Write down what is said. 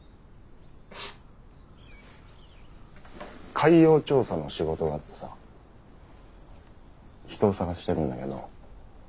海洋調査の仕事があってさ人を探してるんだけど。